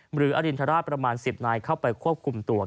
หรืออรินทราชประมาณ๑๐นายเข้าไปควบคุมตัว